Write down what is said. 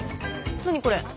何これ？